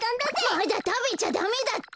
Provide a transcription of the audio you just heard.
まだたべちゃだめだって！